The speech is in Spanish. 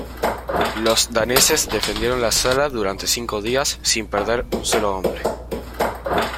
Los daneses defendieron la sala durante cinco días sin perder un solo hombre.